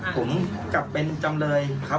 ผมกลับเป็นจำเลยครับ